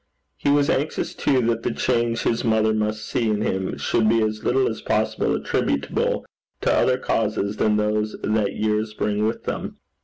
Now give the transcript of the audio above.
He was anxious too that the change his mother must see in him should be as little as possible attributable to other causes than those that years bring with them.